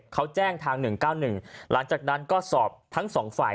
เขาแจ้งทาง๑๙๑หลังจากนั้นก็สอบทั้งสองฝ่าย